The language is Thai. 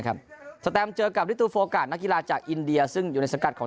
สแตมเจอกับลิตูโฟกาศนักกีฬาจากอินเดียซึ่งอยู่ในสังกัดของ